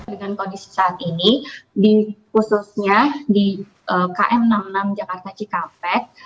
dengan kondisi saat ini khususnya di km enam puluh enam jakarta cikampek